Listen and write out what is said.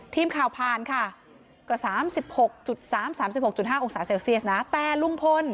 ทีมข่าวผ่านค่ะก็๓๖๓๓๖๕องศาเซลเซียสนะแต่ลุงพล